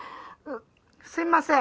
すみません